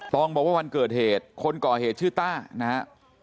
องบอกว่าวันเกิดเหตุคนก่อเหตุชื่อต้านะฮะ